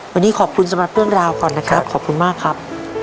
วันนี้ขอบคุณสำหรับเรื่องราวก่อนนะครับขอบคุณมากครับ